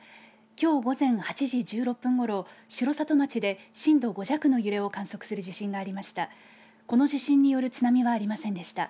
きょう午前８時１６分ごろ城里町で震度５弱の揺れを観測する地震がありました。